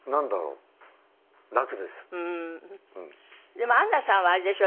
でもアンナさんはあれでしょ？